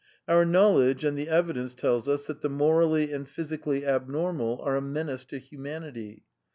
Our knowledge and the evidence tells us that the morally and physically abnormal are a menace to humanity.